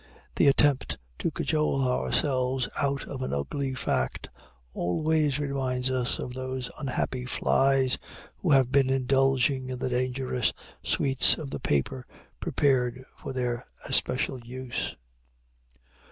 This attempt to cajole ourselves out of an ugly fact always reminds us of those unhappy flies who have been indulging in the dangerous sweets of the paper prepared for their especial use.